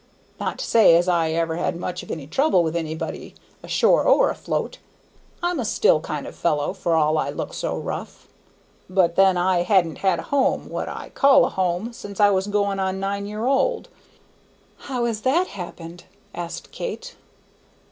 Not to say as I ever had much of any trouble with anybody, ashore or afloat. I'm a still kind of fellow, for all I look so rough. "But then, I han't had a home, what I call a home, since I was going on nine year old." "How has that happened?" asked Kate.